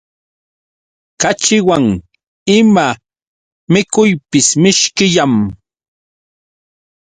Kaćhiwan ima mikuypis mishkillam.